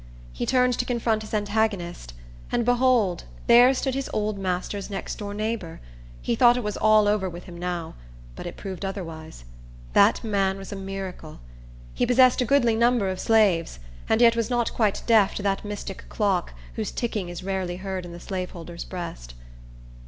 He turned to confront his antagonist, and behold, there stood his old master's next door neighbor! He thought it was all over with him now; but it proved otherwise. That man was a miracle. He possessed a goodly number of slaves, and yet was not quite deaf to that mystic clock, whose ticking is rarely heard in the slaveholder's breast.